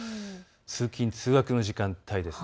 通勤、通学の時間帯です。